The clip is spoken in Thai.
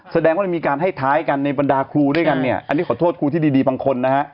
แสดงว่ามีการให้ท้ายกันในบรรดาครูด้วยกันเนี่ยอันนี้ขอโทษครูที่ดีบางคนนะฮะ